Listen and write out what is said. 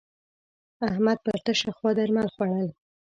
احمد پر تشه خوا درمل خوړول.